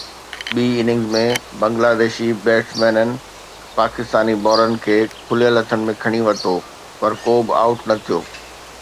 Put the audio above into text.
ٻي اننگز ۾ بنگلاديشي بيٽسمينن پاڪستاني بالرن کي کليل هٿن ۾ کڻي ورتو، پر ڪو به آئوٽ نه ٿيو.